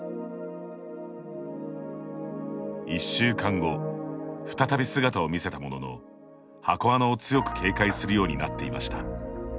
１週間後再び姿を見せたものの箱わなを、強く警戒するようになっていました。